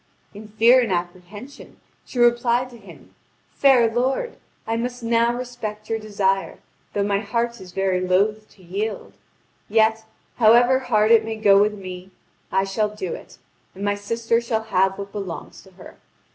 In fear and apprehension, she replied to him: "Fair lord, I must now respect your desire, though my heart is very loath to yield. Yet, however hard it may go with me, I shall do it, and my sister shall have what belongs to her.